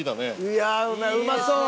いやあうまそう！